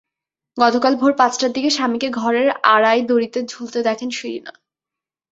গতকাল ভোর পাঁচটার দিকে স্বামীকে ঘরের আড়ায় দড়িতে ঝুলতে দেখেন শিরিনা।